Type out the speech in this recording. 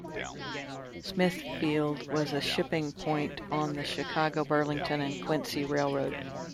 Smithfield was a shipping point on the Chicago, Burlington and Quincy Railroad.